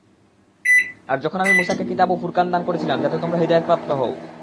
আর যখন আমি মূসাকে কিতাব ও ফুরকান দান করেছিলাম যাতে তোমরা হিদায়াতপ্রাপ্ত হও।